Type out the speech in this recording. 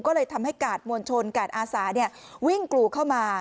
ก็เลยทำให้กาดมวลชนกาดอาสาวิ่งกรูเข้ามา